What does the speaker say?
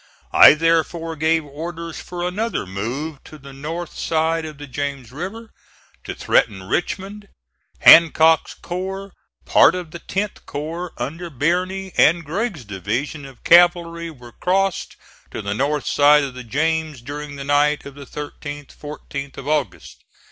I therefore gave orders for another move to the north side of the James River, to threaten Richmond. Hancock's corps, part of the 10th corps under Birney, and Gregg's division of cavalry were crossed to the north side of the James during the night of the 13th 14th of August.